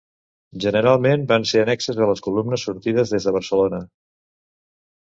Generalment van ser annexes a les columnes sortides des de Barcelona.